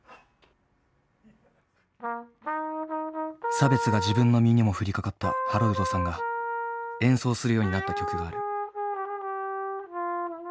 差別が自分の身にも降りかかったハロルドさんが演奏するようになった曲がある。